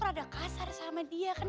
rada kasar sama dia kan